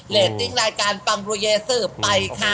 เรทติ้งรายการปังบุรีเยซื่อไปค่ะ